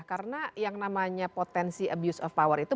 karena yang namanya potensi abuse of power itu